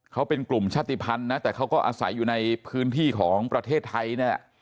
เขาเป็นกลุ่มชาติภัณฑ์นะแต่เขาก็อาศัยอยู่ในพื้นที่ของประเทศไทยนี่แหละ